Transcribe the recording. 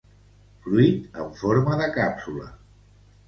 Fruit en forma de càpsula.